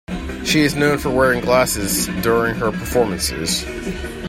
She is known for wearing glasses during her performances.